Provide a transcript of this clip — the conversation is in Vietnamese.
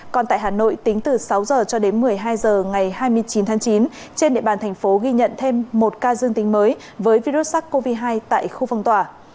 còn tại hà nội tính từ sáu h cho đến một mươi hai h ngày hai mươi chín tháng chín trên địa bàn thành phố ghi nhận thêm một ca dương tính mới với virus sars cov hai tại khu phong tỏa